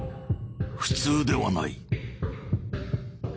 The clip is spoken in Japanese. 普通ではない。